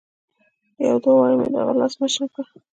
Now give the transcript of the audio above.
يو دوه وارې مې د هغه لاس مچ نه کړ.